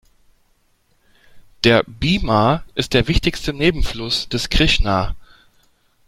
Der Bhima ist der wichtigste Nebenfluss des Krishna.